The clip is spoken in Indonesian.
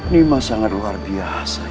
nih mas sangat luar biasa ya